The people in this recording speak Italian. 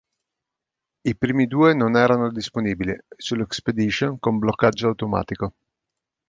I primi due non erano disponibili, sull'Expedition, con bloccaggio automatico.